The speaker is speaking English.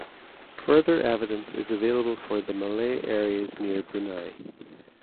Further evidence is available for the Malay areas near Brunei.